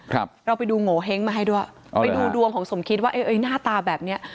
ครับเราไปดูโงเห้งมาให้ด้วยไปดูดวงของสมคิดว่าเอ๊เอ้ยหน้าตาแบบเนี้ย